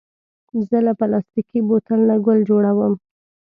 زه له پلاستيکي بوتل نه ګل جوړوم.